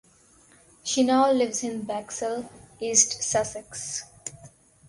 She now lives in Bexhill, East Sussex.